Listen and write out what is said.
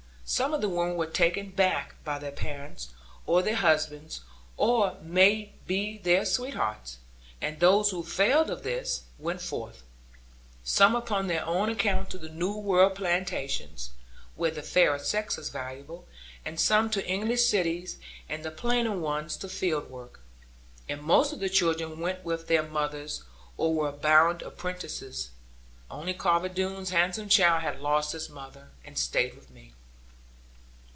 Some of the women were taken back by their parents, or their husbands, or it may be their sweethearts; and those who failed of this, went forth, some upon their own account to the New World plantations, where the fairer sex is valuable; and some to English cities; and the plainer ones to field work. And most of the children went with their mothers, or were bound apprentices; only Carver Doone's handsome child had lost his mother and stayed with me.